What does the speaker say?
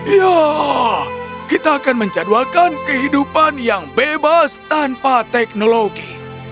ya kita akan menjadwalkan kehidupan yang bebas tanpa teknologi